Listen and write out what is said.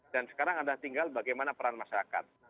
dan sekarang ada tinggal bagaimana peran masyarakat